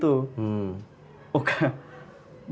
nah pelaksananya nggak kayak gitu